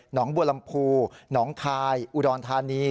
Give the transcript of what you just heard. งบัวลำพูหนองคายอุดรธานี